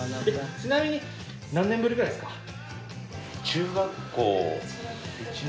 ちなみに何年ぶりぐらいですか？